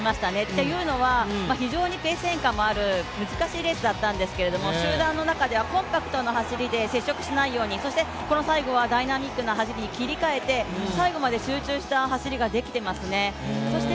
というのは、非常にペース変化もある難しいレースだったんですけど集団の中ではコンパクトな走りで接触をしないようにそしてこの最後はダイナミックな走りに切り替えて、最後まで集中した走りができていますね。